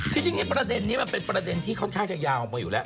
ทีนี้ประเด็นนี้มันเป็นประเด็นที่ค่อนข้างจะยาวออกมาอยู่แล้ว